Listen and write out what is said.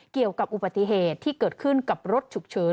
เกี่ยวกับอุบัติเหตุที่เกิดขึ้นกับรถฉุกเฉิน